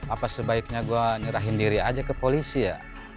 apa sebaiknya saya menyerahkan diri saya saja ke polisi ya